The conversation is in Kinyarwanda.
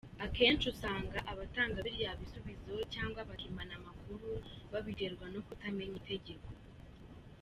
Akenshi usanga abatanga biriya bisubizo cyangwa bakimana amakuru babiterwa no kutamenya itegeko.